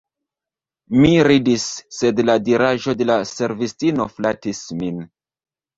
Mi ridis, sed la diraĵo de la servistino flatis min.